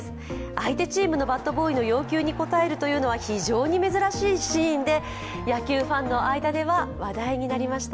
相手チームのバットボーイの要求に応えるというのは非常に珍しいシーンで、野球ファンの間では話題になりました。